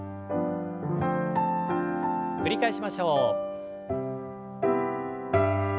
繰り返しましょう。